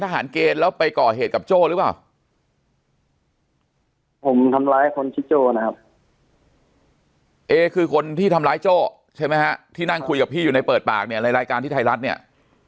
ทหารเกณฑ์แล้วไปก่อเหตุกับโจ้หรือว่าผมทำร้ายคนที่โจ้นะ